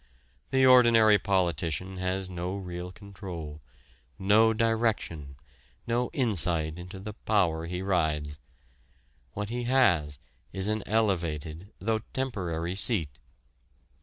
The ordinary politician has no real control, no direction, no insight into the power he rides. What he has is an elevated, though temporary seat.